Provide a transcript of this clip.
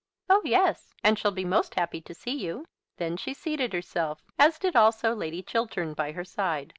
"Oh, yes; and shall be most happy to see you." Then she seated herself, as did also Lady Chiltern by her side.